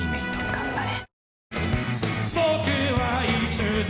頑張れ。